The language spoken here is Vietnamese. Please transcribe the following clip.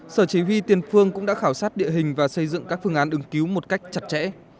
sở chỉ huy tiền phương cũng đã khảo sát địa hình và xây dựng các phương án ứng cứu một cách chặt chẽ